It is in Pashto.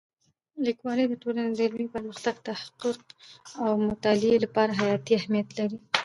لیکوالی د ټولنې د علمي پرمختګ، تحقیق او مطالعې لپاره حیاتي اهمیت لري.